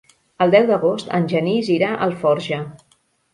El deu d'agost en Genís irà a Alforja.